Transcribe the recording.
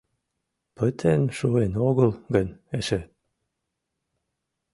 Пытен шуын огыл гын эше.